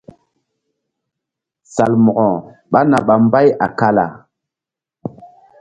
Salmo̧ko ɓá na ɓa mbay a kala.